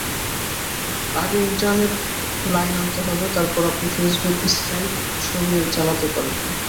আগে internet line আনতে হবে, তারপর আপনি ফেসবুক, স্কাইপ—সবই চালাতে পারবেন।